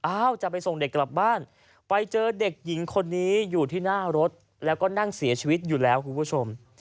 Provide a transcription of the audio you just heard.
จะไปส่งเด็กกลับบ้านไปเจอเด็กหญิงคนนี้อยู่ที่หน้ารถแล้วก็นั่งเสียชีวิตอยู่แล้วคุณผู้ชม